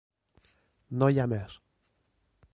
-No hi ha més.